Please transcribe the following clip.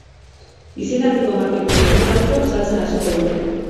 Izen handiko marken produktu faltsuak saltzen hasiko da.